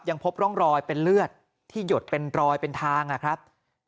ยังพบร่องรอยเป็นเลือดที่หยดเป็นรอยเป็นทางนะครับ